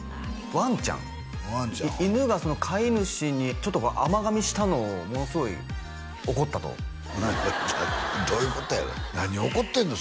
ワンちゃん犬が飼い主にちょっと甘噛みしたのをものすごい怒ったとどういうことやの何怒ってんの？